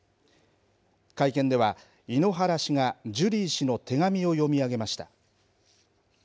会見では、井ノ原氏がジュリー氏の手紙を読み上げました。